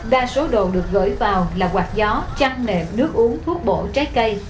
đa số đồn được gửi vào là quạt gió chăn nệm nước uống thuốc bổ trái cây